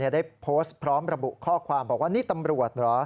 ได้โพสต์พร้อมระบุข้อความบอกว่านี่ตำรวจเหรอ